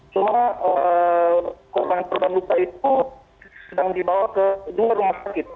cuma korban korban luka itu sedang dibawa ke dua rumah sakit